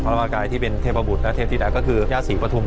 พระมากายที่เป็นเทพบุตรและเทพธิดาก็คือย่าศรีปฐุม